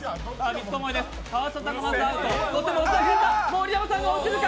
盛山さんが落ちるか！？